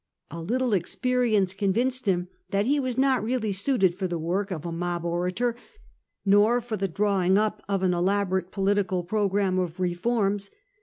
A little experience convinced him that he was not really suited for the work of a mob orator, nor for the drawing up of an elaborate political programme of reforms.